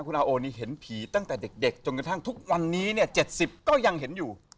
คุณอาโอนี่เห็นผีตั้งแต่เด็กจนกระทั่งทุกวันนี้เนี่ย๗๐ก็ยังเห็นอยู่